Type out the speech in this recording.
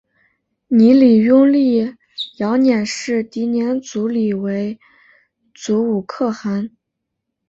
泥礼拥立遥辇氏迪辇组里为阻午可汗。